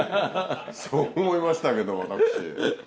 そう思いましたけど私。